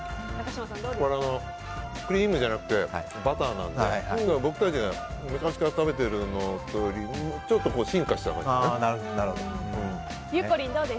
クリームじゃなくてバターなんで僕たちが昔から食べているのよりちょっと進化した感じだね。